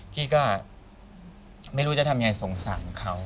กี้ก็ไม่รู้จะทำยังไงสงสารเขา